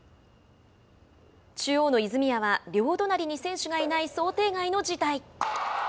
中央の泉谷は両隣に選手がいない想定外の事態。